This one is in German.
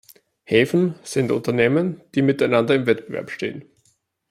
Häfen sind Unternehmen, die miteinander im Wettbewerb stehen.